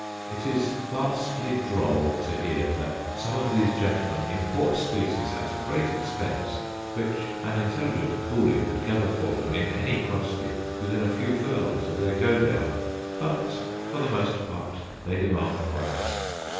It is vastly droll to hear that some of these gentlemen import species at a great expense which an intelligent coolie could gather for them in any quantity within a few furlongs of their go down! But for the most part they demand foreigners.